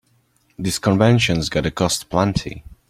This convention's gonna cost plenty.